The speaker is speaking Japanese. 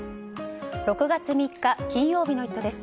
６月３日、金曜日の「イット！」です。